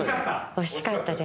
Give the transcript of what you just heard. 惜しかったです。